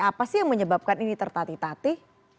apa sih yang menyebabkan ini tertati tati